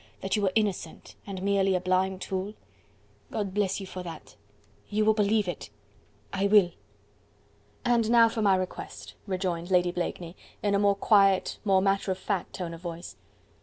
that you were innocent.. and merely a blind tool?..." "God bless you for that!" "You will believe it?" "I will." "And now for my request," rejoined Lady Blakeney in a more quiet, more matter of fact tone of voice.